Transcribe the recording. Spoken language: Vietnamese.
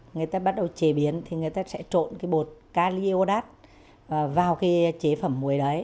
người ta bắt đầu chế biến thì người ta sẽ trộn cái bột calioddad vào cái chế phẩm muối đấy